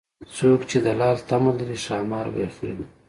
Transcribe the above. څوک چې د لال تمه لري ښامار به يې خورینه